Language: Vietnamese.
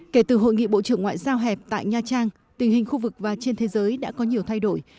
kể từ hội nghị bộ trưởng ngoại giao hẹp tại nha trang tình hình khu vực và trên thế giới đã có nhiều thay đổi